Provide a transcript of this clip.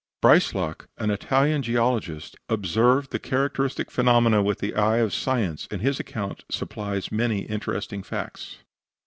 Breislak, an Italian geologist, observed the characteristic phenomena with the eye of science, and his account supplies many interesting facts.